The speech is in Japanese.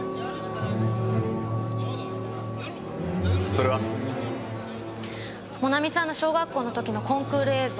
それは？もなみさんの小学校の時のコンクール映像。